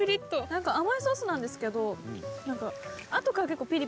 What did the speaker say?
なんか甘いソースなんですけどなんか。